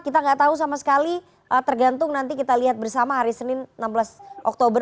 kita nggak tahu sama sekali tergantung nanti kita lihat bersama hari senin enam belas oktober